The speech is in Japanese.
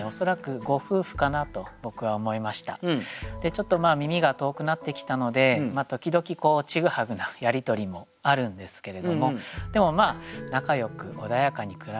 ちょっと耳が遠くなってきたので時々ちぐはぐなやり取りもあるんですけれどもでもまあ仲よく穏やかに暮らしているという様子がですね